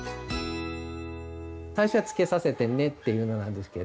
最初は「つけさせてね」っていうのなんですけど。